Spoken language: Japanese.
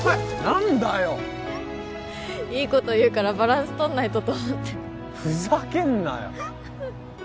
何だよいいこと言うからバランス取んないとと思ってふざけんなよ